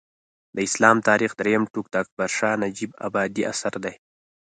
د اسلام تاریخ درېیم ټوک د اکبر شاه نجیب ابادي اثر دی